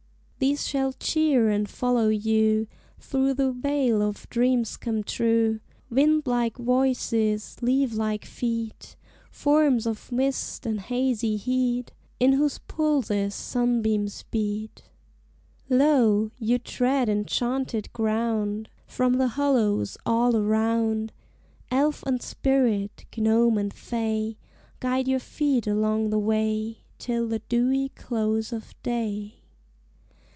These shall cheer and follow you Through the Vale of Dreams Come True; Wind like voices, leaf like feet; Forms of mist and hazy heat, In whose pulses sunbeams beat. Lo! you tread enchanted ground! From the hollows all around Elf and spirit, gnome and fay, Guide your feet along the way Till the dewy close of day.